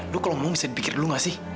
lu kalau ngomong bisa dipikir dulu gak sih